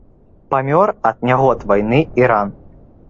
Памёр ад нягод вайны і ран.